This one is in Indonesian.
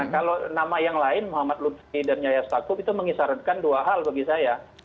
kalau nama yang lain muhammad lutfi dan yaya stakuf itu mengisyaratkan dua hal bagi saya